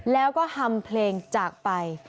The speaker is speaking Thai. แล้วก็ฮำเพลงจากไป